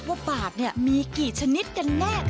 ว่าบาทนี่มีกี่ชนิดกันแน่ค่ะ